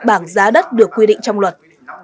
bảng giá đất được quy định trong luật